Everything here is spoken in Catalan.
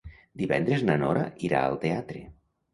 Divendres na Nora irà al teatre.